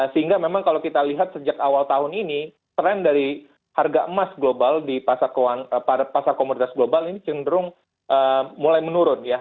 sehingga memang kalau kita lihat sejak awal tahun ini tren dari harga emas global di pasar komoditas global ini cenderung mulai menurun ya